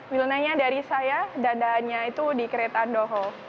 wilnanya dari saya dhananya itu di kereta andohol